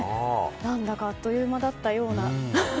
何だかあっという間だったような。